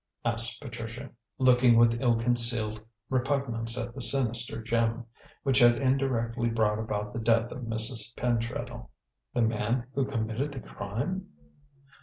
asked Patricia, looking with ill concealed repugnance at the sinister gem, which had indirectly brought about the death of Mrs. Pentreddle. "The man who committed the crime?"